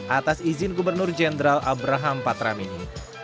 atas izin gubernur jenderal abraham patram ini